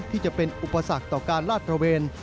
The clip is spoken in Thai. ที่จะเป็นอุปสรรคต่อการลาดตระเวน